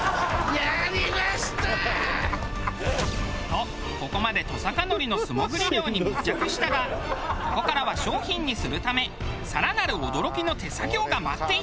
とここまでトサカノリの素潜り漁に密着したがここからは商品にするため更なる驚きの手作業が待っていた！